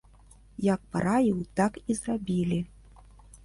Як параіў, так і зрабілі.